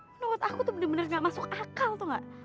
menurut aku tuh bener bener gak masuk akal tuh gak